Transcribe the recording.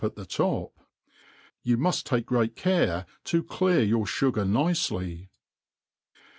at thk topi You muft take great care to clear your fugar nicely.